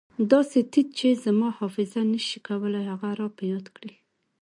داسې تت چې زما حافظه هم نه شي کولای هغه را په یاد کړي.